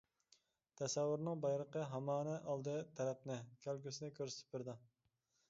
تەسەۋۋۇرنىڭ بايرىقى ھامانە ئالدى تەرەپنى، كەلگۈسىنى كۆرسىتىپ بېرىدۇ.